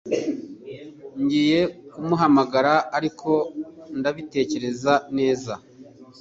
Ngiye kumuhamagara, ariko ndabitekereza neza.